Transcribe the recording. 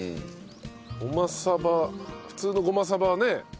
ごまさば普通のごまさばはね。